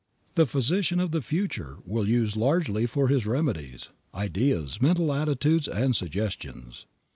The physician of the future will use largely for his remedies, ideas, mental attitudes, and suggestions.